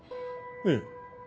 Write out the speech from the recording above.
ええ。